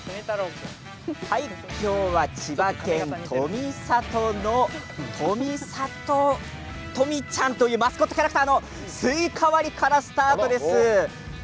今日は千葉県富里のとみちゃんいうマスコットのスイカ割りからスタートです。